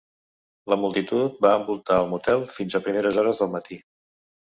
La multitud va envoltar el motel fins a primeres hores del matí.